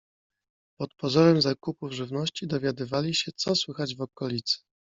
Pod pozorem zakupów żywności dowiadywali się, co słychać w okolicy.